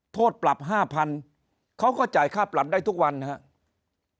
โทษปรับ๕๐๐เขาก็จ่ายค่าปรับได้ทุกวันนะครับ